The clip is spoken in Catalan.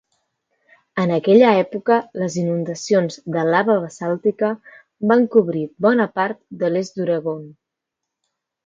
En aquella època, les inundacions de lava basàltica van cobrir bona part de l'est d'Oregon.